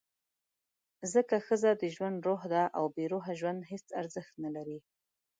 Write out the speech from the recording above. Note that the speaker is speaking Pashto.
ځکه ښځه د ژوند «روح» ده، او بېروحه ژوند هېڅ ارزښت نه لري.